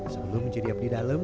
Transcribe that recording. sebelum menjadi abdi dalem